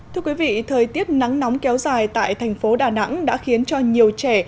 thưa quý vị thời tiết nắng nóng kéo dài tại thành phố đà nẵng đã khiến cho nhiều trẻ